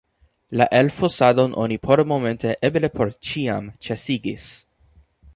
La elfosadon oni pormomente, eble por ĉiam, ĉesigis.